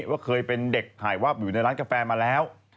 ว่าเคยเป็นเด็กถ่ายวาบอยู่ในร้านกาแฟมาแล้ว